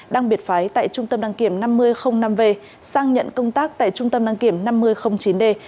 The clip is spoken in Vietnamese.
đang biệt phái tại trung tâm đăng kiểm năm mươi năm v sang nhận công tác tại trung tâm đăng kiểm năm mươi chín d